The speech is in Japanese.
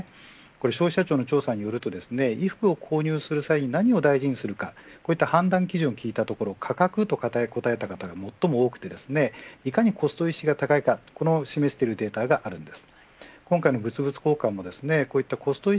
消費者庁の調査によると衣服を購入する際に何を大事にするかこういった判断基準を聞いたところ価格と答えた方が最も多くていかにコスト意識が高いかこれを示しているデータがあるんです。